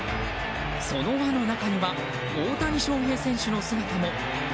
その輪の中には大谷翔平選手の姿も。